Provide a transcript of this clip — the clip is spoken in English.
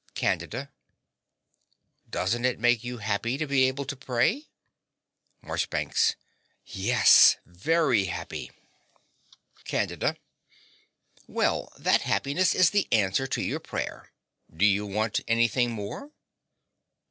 CANDIDA. Doesn't it make you happy to be able to pray? MARCHBANKS. Yes, very happy. CANDIDA. Well, that happiness is the answer to your prayer. Do you want anything more?